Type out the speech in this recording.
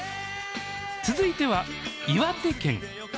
続いては岩手県。